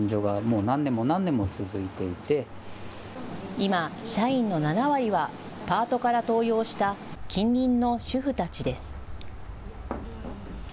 今、社員の７割はパートから登用した近隣の主婦たちです。